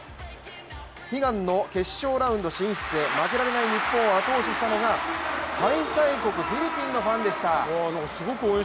悲願の決勝ラウンド進出へ、負けられない日本を後押ししたのが開催国フィリピンのファンでした。